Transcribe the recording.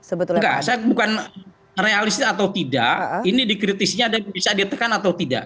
enggak saya bukan realistis atau tidak ini dikritisinya bisa ditekan atau tidak